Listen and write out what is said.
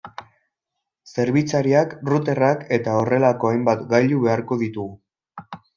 Zerbitzariak, routerrak eta horrelako hainbat gailu beharko ditugu.